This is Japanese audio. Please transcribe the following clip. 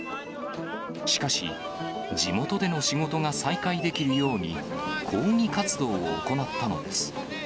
しかし、地元での仕事が再開できるように、抗議活動を行ったのです。